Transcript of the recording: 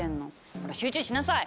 ほら集中しなさい！